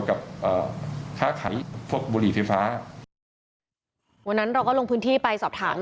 วันนั้นเราก็ลงพื้นที่ไปสอบถาม